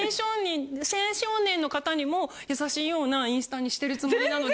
青少年の方にも優しいようなインスタにしてるつもりなので。